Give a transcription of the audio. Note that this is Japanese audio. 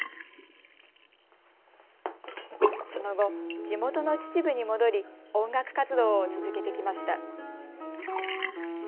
その後、地元の秩父に戻り音楽活動を続けてきました。